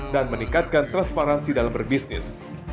dan meningkatkan transparansi dalam berbisnis